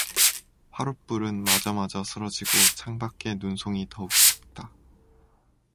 화롯불은 마저마저 스러지고 창밖에 눈송이 더욱 깊다.